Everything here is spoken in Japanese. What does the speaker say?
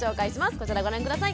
こちらご覧下さい。